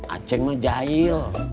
aceng mah jahil